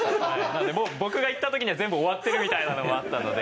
なのでもう僕が行った時には全部終わってるみたいなのもあったので。